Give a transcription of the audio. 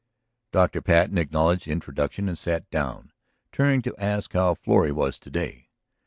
Dr. Patten acknowledged the introduction and sat down, turning to ask "how Florrie was today?"